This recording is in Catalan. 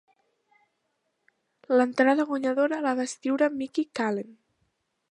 L'entrada guanyadora la va escriure Micki Callen.